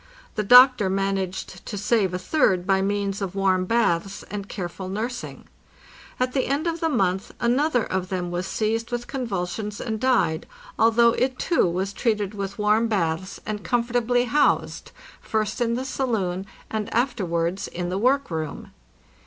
The doctor managed to save a third by means of warm baths and careful nursing. At the end of the month another of them was seized with convulsions and died, although it, too, was treated with warm baths and AUGUST 15 TO JANUARY 1, 1896 657 comfortably housed, first in the saloon, and afterwards in the work room.